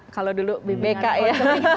kalau dulu bk ya